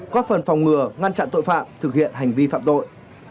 góp phần phòng ngừa ngăn chặn tội phạm thực hiện hành vi phạm tội